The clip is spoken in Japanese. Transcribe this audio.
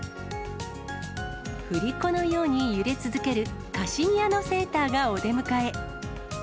振り子のように揺れ続けるカシミヤのセーターがお出迎え。